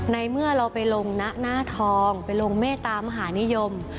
ในเมื่อเราไปลงหน้าทองไปลงเมตตามหานิยม